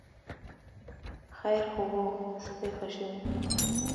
ـ خیر خو وو، څه پېښه شوې؟